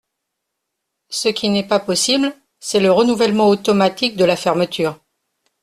Ce qui n’est pas possible, c’est le renouvellement automatique de la fermeture.